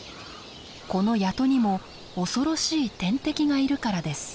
この谷戸にも恐ろしい天敵がいるからです。